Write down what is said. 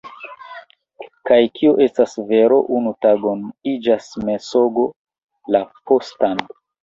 Kaj kio estas vero unu tagon iĝas mensogo la postan.